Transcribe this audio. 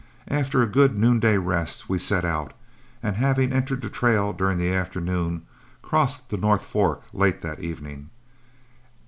After a good noonday rest, we set out, and having entered the trail during the afternoon, crossed the North Fork late that evening.